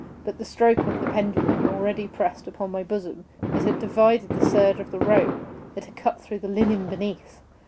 But the stroke of the pendulum already pressed upon my bosom. It had divided the serge of the robe. It had cut through the linen beneath.